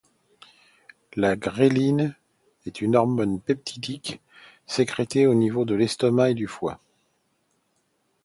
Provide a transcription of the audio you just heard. La ghréline est une hormone peptidique sécrétée au niveau de l'estomac et du foie.